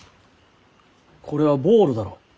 これはボーロだろう？